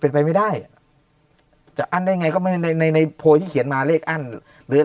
เป็นไปไม่ได้จะอั้นได้ไงก็ไม่ได้ในในโพยที่เขียนมาเลขอั้นหรือ